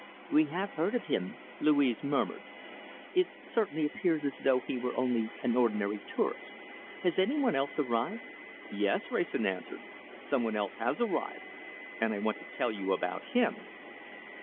"We have heard of him," Louise murmured. "It certainly appears as though he were only an ordinary tourist. Has any one else arrived?" "Yes!" Wrayson answered, "some one else has arrived, and I want to tell you about him."